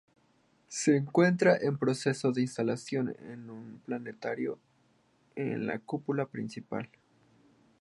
Se encuentra en proceso de instalación de un planetario en la cúpula principal.